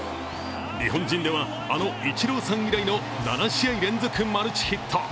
日本人ではあのイチローさん以来の７試合連続マルチヒット。